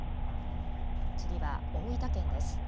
次は大分県です。